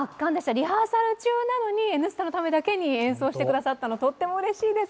リハーサル中なのに、「Ｎスタ」のためだけに演奏してくれてとってもうれしいです。